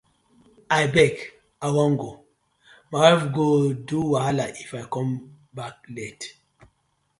Abeg I wan go, my wife go do wahala If com back late.